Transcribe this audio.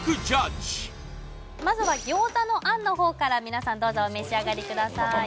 まずは餃子の餡の方から皆さんどうぞお召し上がりください